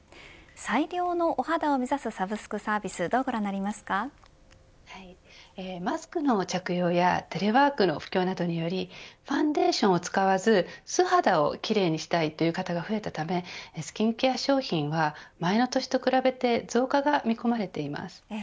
最良のお肌を目指すサブスクサービスマスクの着用やテレワークの普及などによりファンデーションを使わず素肌を奇麗にしたいという方が増えたためスキンケア商品は前の年と比べて増加が見込まれています。